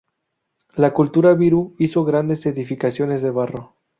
La cultura virú hizo grandes "edificaciones de barro".